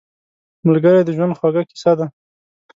ملګری د ژوند خوږه کیسه ده